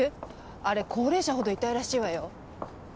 あれ高齢者ほど痛いらしいわよ。